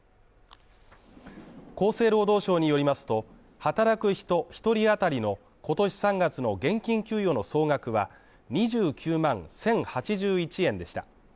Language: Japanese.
厚生労働省によりますと、働く人１人あたりの今年３月の現金給与の総額は２９万１０８１円でした。